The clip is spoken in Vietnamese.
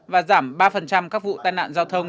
và giảm ba các vụ tai nạn giao thông